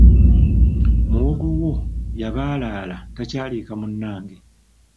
Muwogo wo yabaalaala takyaliika munnange.